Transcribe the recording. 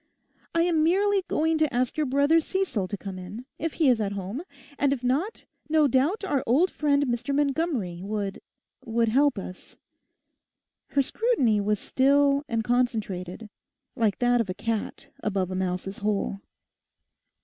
I am merely going to ask your brother Cecil to come in, if he is at home, and if not, no doubt our old friend Mr. Montgomery would—would help us.' Her scrutiny was still and concentrated, like that of a cat above a mouse's hole.